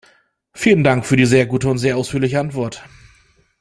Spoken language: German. Vielen Dank für die sehr gute und sehr ausführliche Antwort.